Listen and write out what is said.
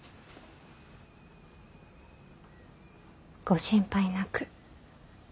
ご心配なく。